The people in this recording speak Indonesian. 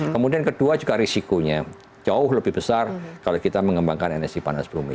kemudian kedua juga risikonya jauh lebih besar kalau kita mengembangkan energi panas bumi